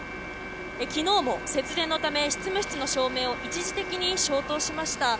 昨日も節電のため執務室の照明を一時的に消灯しました。